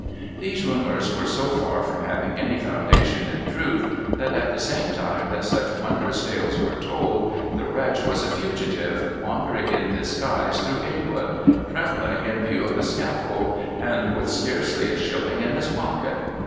These rumors were so far from having any foundation in truth, that at the same time that such wondrous tales were told, the wretch was a fugitive, wandering in disguise through England, trembling in view of the scaffold, and with scarcely a shilling in his pocket.